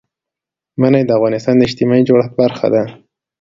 منی د افغانستان د اجتماعي جوړښت برخه ده.